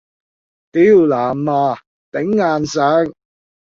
掉哪媽！頂硬上！